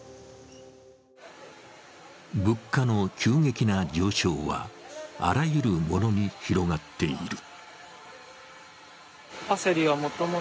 物価の急激な上昇は、あらゆるものに広がっている。